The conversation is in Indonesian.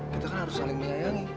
kita kan harus saling menyayangi